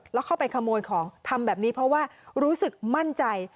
แล้วเข้าไปขโมยของทำแบบนี้เพราะว่ารู้สึกมั่นใจ